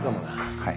はい。